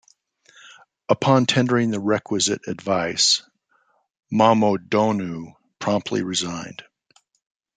Upon tendering the requisite advice, Momoedonu promptly resigned.